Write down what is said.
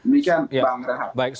demikian bang rehat